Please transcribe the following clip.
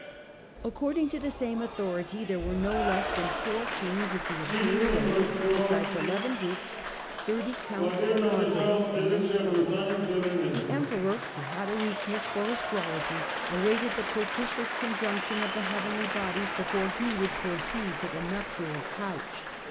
According to the same authority, there were no less than four Kings at the Imperial wedding, besides eleven Dukes, thirty Counts and Margraves, and many Prelates. The Emperor, who had a weakness for astrology, awaited the propitious conjunction of the heavenly bodies before he would proceed to the nuptial couch.